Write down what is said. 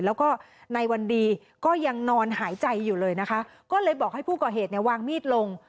แล้วก็ในวันดีก็ยังนอนหายใจอยู่เลยนะคะก็เลยบอกให้ผู้ก่อเหตุเนี่ยวางมีดลง